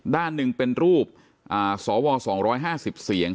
ด้านหนึ่งเป็นรูปสว๒๕๐เสียง